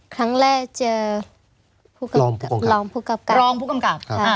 ครั้งแรกเจอรองผู้กำกับ